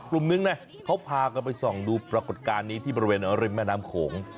กลุ่มนึงนะเขาพากันไปส่องดูปรากฏการณ์นี้ที่บริเวณริมแม่น้ำโขง